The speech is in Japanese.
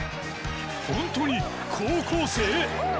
本当に高校生？